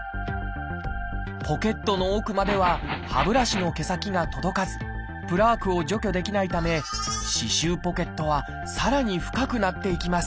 ポケットの奥までは歯ブラシの毛先が届かずプラークを除去できないため歯周ポケットはさらに深くなっていきます。